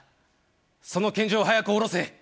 その拳銃を早くおろせ！